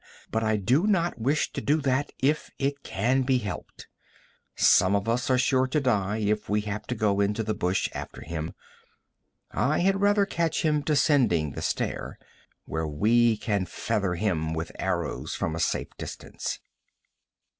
But I do not wish to do that if it can be helped. Some of us are sure to die if we have to go into the bush after him. I had rather catch him descending the stair, where we can feather him with arrows from a safe distance.'